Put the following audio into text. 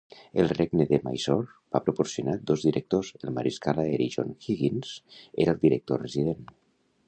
El regne de Mysore va proporcionar dos directors, el mariscal aeri John Higgins era el director resident.